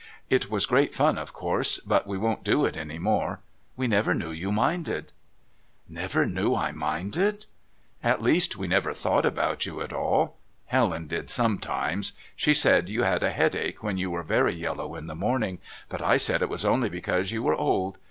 "It was great fun, of course, but we won't do it any more. We never knew you minded." "Never knew I minded?" "At least, we never thought about you at all. Helen did sometimes. She said you had a headache when you were very yellow in the morning, but I said it was only because you were old.